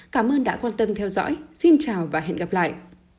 cảm ơn đã quan tâm theo dõi xin chào và hẹn gặp lại